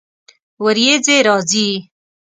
ورېځې راځي